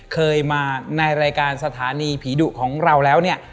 เคยมาในรายการสถานีผีดุของเราแล้วเนี่ย